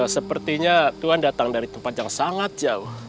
sepertinya tuhan datang dari tempat yang sangat jauh